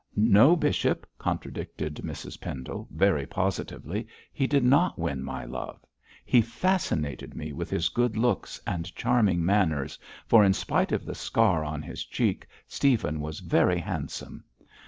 'No, bishop,' contradicted Mrs Pendle, very positively, 'he did not win my love; he fascinated me with his good looks and charming manners, for in spite of the scar on his cheek Stephen was very handsome.